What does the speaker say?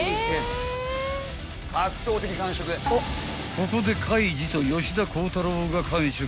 ［ここでカイジと吉田鋼太郎が完食］